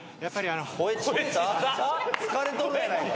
疲れとるやないか。